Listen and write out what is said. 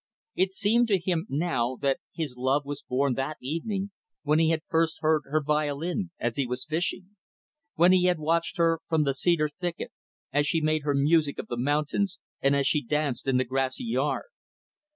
It seemed to him, now, that his love was born that evening when he had first heard her violin, as he was fishing; when he had watched her from the cedar thicket, as she made her music of the mountains and as she danced in the grassy yard.